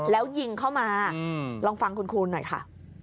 แล้วยิงเข้ามาลองฟังคุณคูณหน่อยค่ะ